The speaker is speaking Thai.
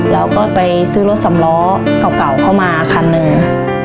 แล้วก็ไปซื้อรถสำล้อเก่าเข้ามาคันหนึ่ง